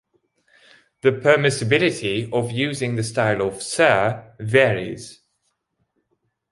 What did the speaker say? The permissibility of using the style of 'Sir' varies.